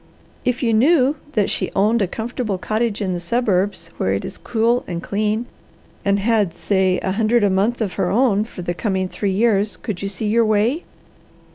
"If you knew that she owned a comfortable cottage in the suburbs, where it is cool and clean, and had, say a hundred a month of her own for the coming three years, could you see your way?"